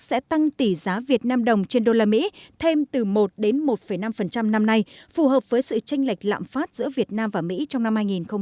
sẽ tăng tỷ giá vnđ trên usd thêm từ một đến một năm năm nay phù hợp với sự tranh lệch lạm phát giữa việt nam và mỹ trong năm hai nghìn hai mươi